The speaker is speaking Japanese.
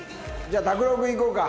じゃあ拓郎君いこうか。